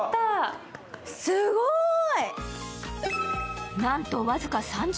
すごい。